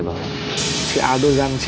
bang yuki bang yuki